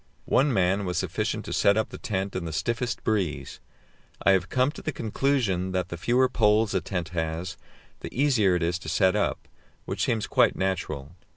One man was sufficient to set up the tent in the stiffest breeze; I have come to the conclusion that the fewer poles a tent has, the easier it is to set up, which seems quite natural.